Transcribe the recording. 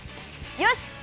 よし！